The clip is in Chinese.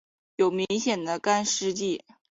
有明显的干湿季。